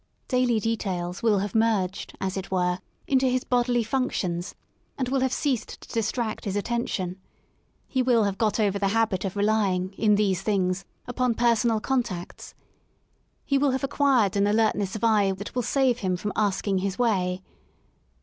Daily details will have merged^ as it were, into his bodily functions, and will have ceased to dis tract his attention. He will have got over the habit of relying, in these things, upon personal contacts* He will have acquired an alertness of eye that will save him from asking his way.